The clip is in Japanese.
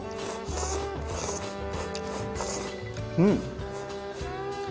うん！